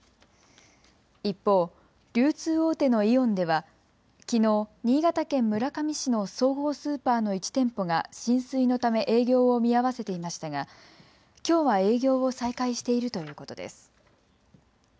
一方、流通大手のイオンではきのう新潟県村上市の総合スーパーの１店舗が浸水のため営業を見合わせていましたがきょうは営業を再開しているということです。